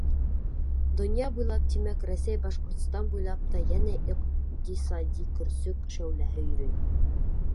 Донъя буйлап, тимәк, Рәсәй, Башҡортостан буйлап та йәнә иҡтисади көрсөк шәүләһе йөрөй.